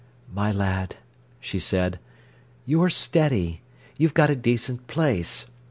"My lad," she said, "you're steady—you've got a decent place.